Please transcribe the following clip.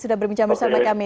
sudah berbincang bersama kami